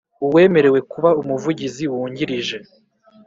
Uwemerewe kuba Umuvugizi Wungirije